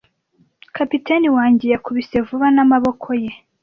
Kapiteni wanjye yakubise vuba n'amaboko ye.